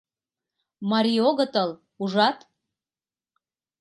Марий огытыл, ужат?